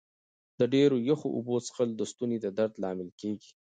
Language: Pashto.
د ډېرو یخو اوبو څښل د ستوني د درد لامل کېږي.